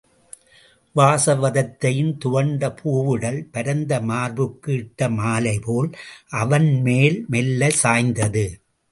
வாசவதத்தையின் துவண்ட பூவுடல் பரந்த மார்புக்கு இட்டமாலை போல் அவன்மேல் மெல்ல சாய்ந்தது.